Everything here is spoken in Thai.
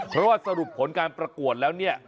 เพราะว่าสรุปผลการประกวดแล้วเนี่ย